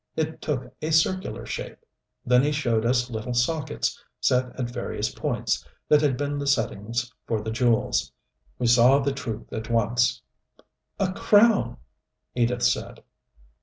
It took a circular shape. Then he showed us little sockets, set at various points, that had been the settings for the jewels. We saw the truth at once. "A crown!" Edith said.